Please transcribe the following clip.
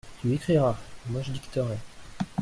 Tu écriras, et moi je dicterai.